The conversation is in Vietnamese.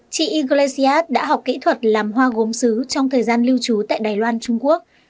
chị iglesias đã học kỹ thuật làm hoa gốm xứ trong thời gian lưu trú tại đài loan trung quốc